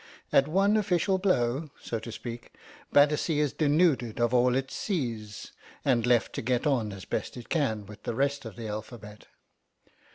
At one official blow, so to speak, Battersea is denuded of all its C's, and left to get on as best it can with the rest of the alphabet.